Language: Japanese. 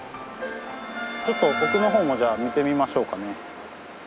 ちょっと奥の方もじゃあ見てみましょうかね。